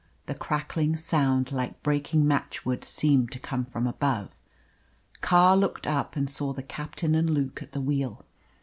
The crackling sound like breaking matchwood seemed to come from above. Carr looked up and saw the captain and Luke at the wheel.